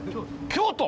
京都！？